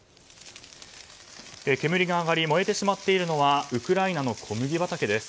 煙が上がり燃えてしまっているのはウクライナの小麦畑です。